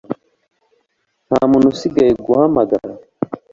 nta muntu usigaye guhamagara